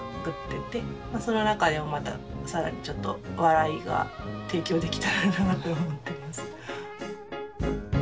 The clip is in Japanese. まその中でもまた更にちょっと笑いが提供できたらなと思ってます。